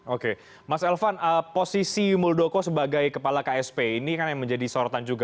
oke mas elvan posisi muldoko sebagai kepala ksp ini kan yang menjadi sorotan juga